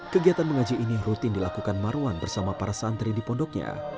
kegiatan mengaji ini rutin dilakukan marwan bersama para santri di pondoknya